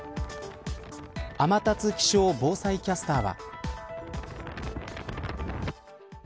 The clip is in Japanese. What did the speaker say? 天達気象防災キャスターは。